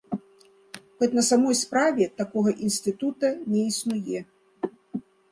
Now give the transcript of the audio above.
Хоць на самой справе такога інстытута не існуе.